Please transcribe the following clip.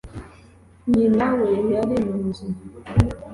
Nyina, we yari mu nzu